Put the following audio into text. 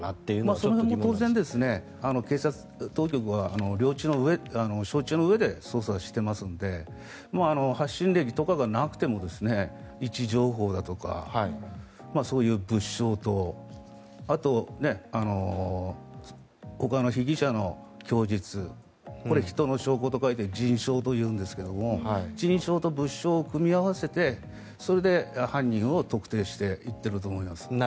その辺も当然警察当局は承知のうえで捜査をしていますので発信歴とかがなくても位置情報だとかそういう物証とあと、ほかの被疑者の供述これ、人の証拠と書いて人証というんですが人証と物証を組み合わせてそれで犯人を特定していってると思います。